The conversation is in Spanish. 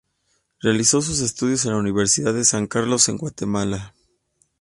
Realizó sus estudios en la Universidad de San Carlos en Guatemala.